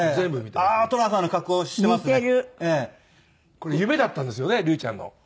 これ夢だったんですよね竜ちゃんの。